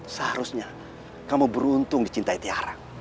seharusnya kamu beruntung dicintai tiara